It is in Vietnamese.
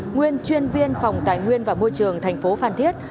nguyên chuyên viên phòng tài nguyên và môi trường tp phan thiết